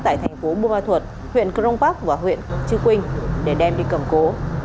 tại thành phố bùa ma thuật huyện crong park và huyện chư quynh để đem đi cầm cố